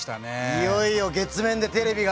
いよいよ月面でテレビが。